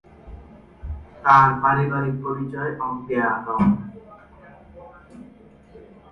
তাঁর পারিবারিক পরিচয় অজ্ঞাত।